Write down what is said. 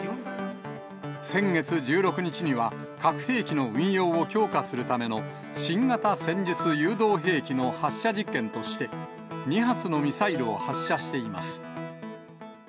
先月１６日には、核兵器の運用を強化するための新型戦術誘導兵器の発射実験として、２発のミサイルを発射しています。